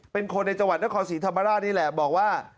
เป็นคนในจังหวัดนครศรีธรรมราชนี่แหละบอกว่า